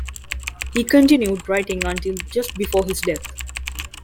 He continued writing until just before his death.